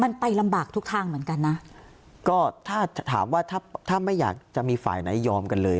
มันไปลำบากทุกทางเหมือนกันนะก็ถ้าถามว่าถ้าถ้าไม่อยากจะมีฝ่ายไหนยอมกันเลย